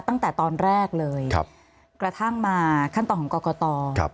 ตั้งแต่ตอนแรกเลยกระทั่งมาขั้นตอนของกรกตครับ